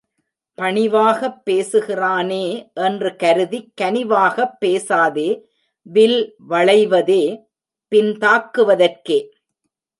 பணிவாகப் பேசுகிறானே என்று கருதிக் கனிவாகப் பேசாதே வில் வளைவதே பின் தாக்குவதற்கே.